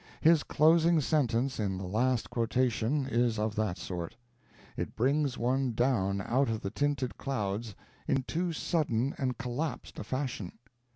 His closing sentence in the last quotation is of that sort. It brings one down out of the tinted clouds in too sudden and collapsed a fashion.